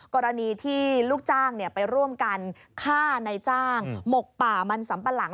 กรณีที่ลูกจ้างไปร่วมกันฆ่าในจ้างหมกป่ามันสำปะหลัง